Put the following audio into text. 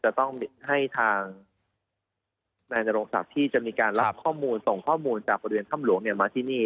จะต้องให้ทางนายนโรงศักดิ์ที่จะมีการรับข้อมูลส่งข้อมูลจากบริเวณถ้ำหลวงมาที่นี่